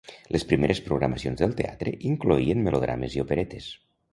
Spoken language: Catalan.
Les primeres programacions del teatre incloïen melodrames i operetes.